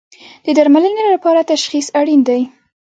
د درملنې لپاره تشخیص اړین دی